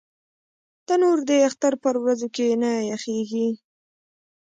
تنور د اختر پر ورځو کې نه یخېږي